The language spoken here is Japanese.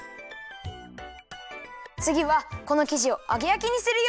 つぎはこのきじをあげやきにするよ！